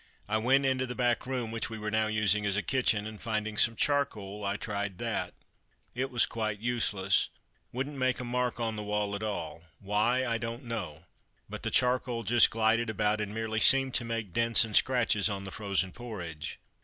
I went into the back room, which we were now using as a kitchen, and finding some charcoal I tried that. It was quite useless wouldn't make a mark on the wall at all. Why, I don't know; but the charcoal just glided about and merely seemed to make dents and scratches on the "frozen porridge."